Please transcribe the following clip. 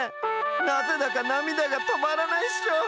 なぜだかなみだがとまらないっしょ！